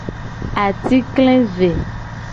Atikplive.